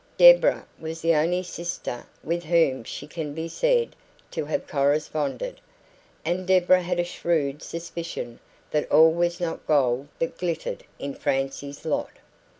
Deborah was the only sister with whom she can be said to have corresponded, and Deborah had a shrewd suspicion that all was not gold that glittered in Francie's lot.